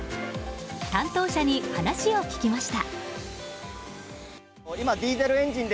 担当者に話を聞きました。